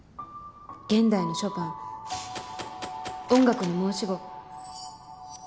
現代のショパン音楽の申し子。